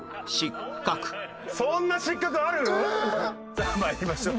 さあまいりましょう。